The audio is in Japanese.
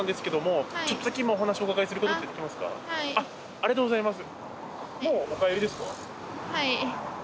ありがとうございます。